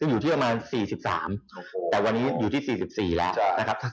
อยู่ที่ประมาณ๔๓บาทแต่วันนี้อยู่ที่๔๔บาท